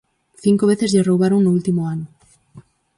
Cinco veces lle roubaron no último ano.